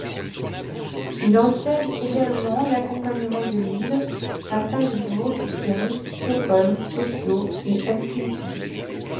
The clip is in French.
Il enseigne également l'accompagnement du lied à Salzbourg, Gent, Stockholm, Tokyo et Helsinki.